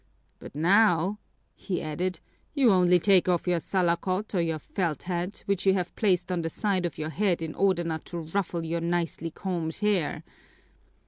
"But now," he added, "you only take off your salakot or your felt hat, which you have placed on the side of your head in order not to ruffle your nicely combed hair!